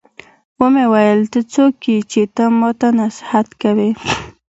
ومې ويل ته څوک يې چې ما ته نصيحت کوې.